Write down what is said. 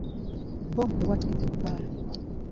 Bbomu ebwatukidde mu bbaala.